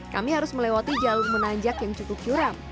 kami harus melewati jalur menanjak yang cukup curam